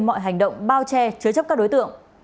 mọi hành động bao che chứa chấp các đối tượng